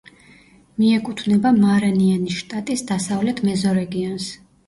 მიეკუთვნება მარანიანის შტატის დასავლეთ მეზორეგიონს.